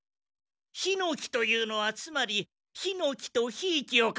ヒノキというのはつまりヒノキとひいきをかけた高等な。